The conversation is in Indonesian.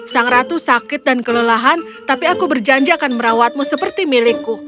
sang ratu sakit dan kelelahan tapi aku berjanji akan merawatmu seperti milikku